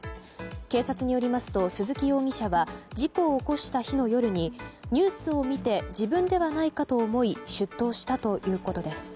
警察によりますと、鈴木容疑者は事故を起こした日の夜にニュースを見て自分ではないかと思い出頭したということです。